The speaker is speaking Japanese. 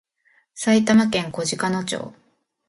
埼玉県小鹿野町